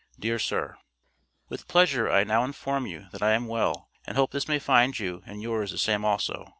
DEAR SIR: With pleasure I now inform you that I am well, and hope this may find you and yours the same also.